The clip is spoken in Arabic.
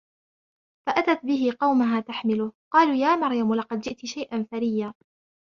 فَأَتَتْ بِهِ قَوْمَهَا تَحْمِلُهُ قَالُوا يَا مَرْيَمُ لَقَدْ جِئْتِ شَيْئًا فَرِيًّا